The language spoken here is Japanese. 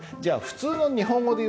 普通の日本語で？